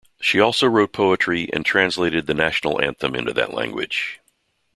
She also wrote poetry and translated the national anthem into that language.